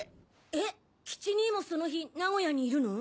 えっ兄もその日名古屋にいるの？